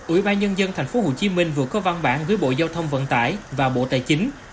ủy ban nhân dân thành phố hồ chí minh vừa có văn bản với bộ giao thông vận tải và bộ tài chính